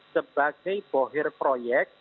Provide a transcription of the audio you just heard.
sebagai bohir proyek